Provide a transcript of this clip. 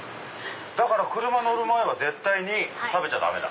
だから車乗る前は絶対に食べちゃダメだ。